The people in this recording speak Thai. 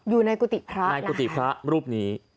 ดูในกุฏิพระนะครับในกุฏิพระรูปนี้